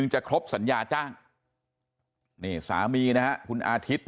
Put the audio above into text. พวกมันกลับมาเมื่อเวลาที่สุดพวกมันกลับมาเมื่อเวลาที่สุด